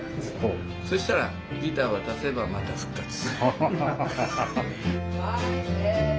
そしたらギター渡せばまた復活する。